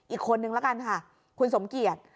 อีกคนนึงละกันค่ะคุณสมเกียจ